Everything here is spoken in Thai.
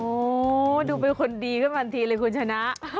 โอ้โหดูเป็นคนดีขึ้นทันทีเลยคุณชนะ